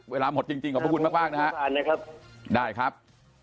เวลาหมดจริงขอบพระคุณมากนะครับ